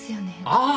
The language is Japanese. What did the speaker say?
ああ。